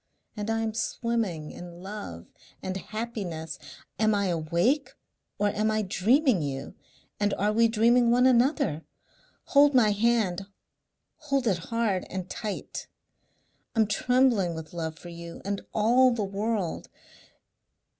And I am swimming in love and happiness. Am I awake or am I dreaming you, and are we dreaming one another? Hold my hand hold it hard and tight. I'm trembling with love for you and all the world....